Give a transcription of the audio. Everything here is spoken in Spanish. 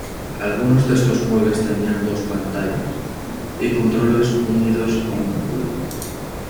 Algunos de estos muebles tenía dos pantallas y controles unidos a un ángulo.